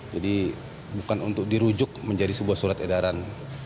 jadi bukan untuk dirujuk menjadi sebuah surat edaran